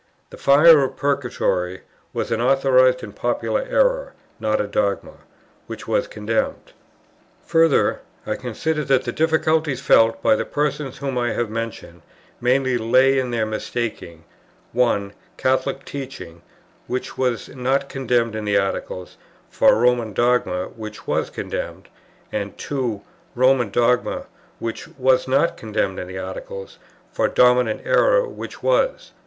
The fire of Purgatory was an authorized and popular error, not a dogma, which was condemned. Further, I considered that the difficulties, felt by the persons whom I have mentioned, mainly lay in their mistaking, 1, Catholic teaching, which was not condemned in the Articles, for Roman dogma which was condemned; and 2, Roman dogma, which was not condemned in the Articles, for dominant error which was.